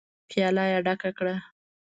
پياله يې ډکه کړه.